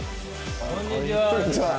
こんにちは。